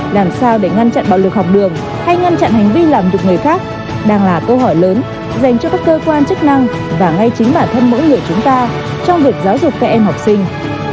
làm sao để ngăn chặn bạo lực học đường hay ngăn chặn hành vi làm được người khác đang là câu hỏi lớn dành cho các cơ quan chức năng và ngay chính bản thân mỗi người chúng ta trong việc giáo dục các em học sinh